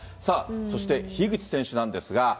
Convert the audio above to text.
さあ、そして樋口選手なんですが。